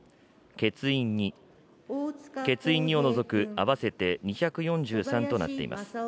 欠員２を除く合わせて２４３となっています。